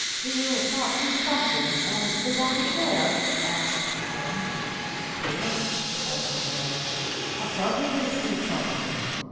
"'Do you not see something on yonder chair?' asked one. "'Yes,' answered the other, 'I certainly see something.